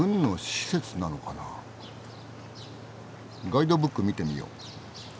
ガイドブック見てみよう。